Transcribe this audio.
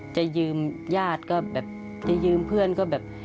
จะยืมญาติก็แบบจะยืมเพื่อนก็แบบ